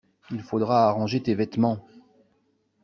Il faudra arranger tes vêtements.